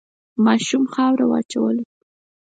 ماشوم خاوره وواچوله.